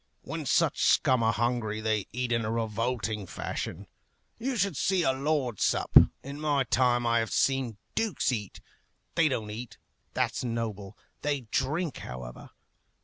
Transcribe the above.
When such scum are hungry, they eat in a revolting fashion. You should see a lord sup. In my time I have seen dukes eat. They don't eat; that's noble. They drink, however.